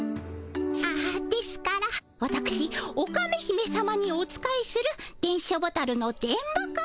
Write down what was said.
あっですからわたくしオカメ姫さまにお仕えする電書ボタルの電ボ子にございます。